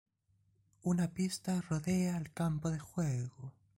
Una pista rodea el campo de juego.